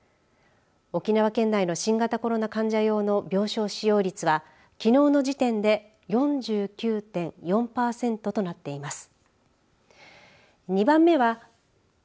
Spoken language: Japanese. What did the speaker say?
沖縄県内の新型コロナ患者用の病床使用率はきのうの時点で４９．４パーセントとなっています。